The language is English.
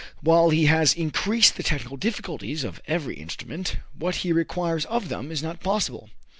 While he has increased the technical difficulties of every instrument, what he requires of them is not impossible.